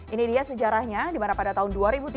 ini dia sejarahnya dimana pada tahun dua ribu tiga